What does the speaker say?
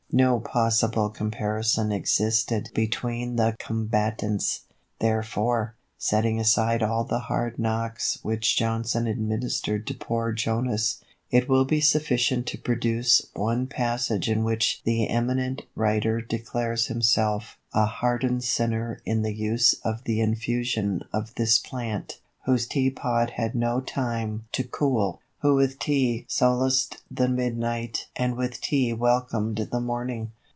No possible comparison existed between the combatants. Therefore, setting aside all the hard knocks which Johnson administered to poor Jonas, it will be sufficient to produce one passage in which the eminent writer declares himself "a hardened sinner in the use of the infusion of this plant, whose tea pot had no time to cool, who with Tea solaced the midnight, and with Tea welcomed the morning."